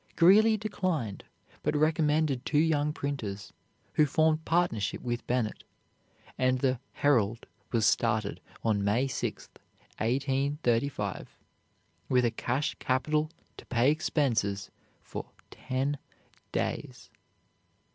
Greeley declined, but recommended two young printers, who formed partnership with Bennett, and the "Herald" was started on May 6, 1835, with a cash capital to pay expenses for ten days.